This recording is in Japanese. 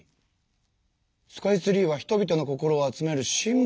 「スカイツリーは人々の心を集めるシンボル」だって？